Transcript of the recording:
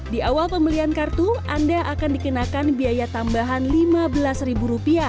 di awal pembelian kartu anda akan dikenakan biaya tambahan rp lima belas